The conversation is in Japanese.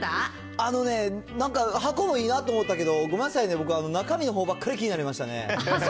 あのね、なんか箱もいいなと思ったけど、ごめんなさいね、僕、中身のほうばっかり気になりますね。